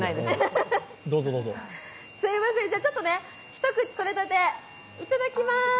ちょっとね、一口とれたて、いただきます！